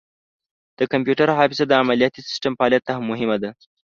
د کمپیوټر حافظه د عملیاتي سیسټم فعالیت ته مهمه ده.